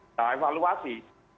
sudah evaluasi dua ribu delapan belas